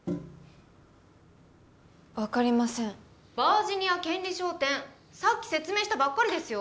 分かりませんバージニア権利章典さっき説明したばっかりですよ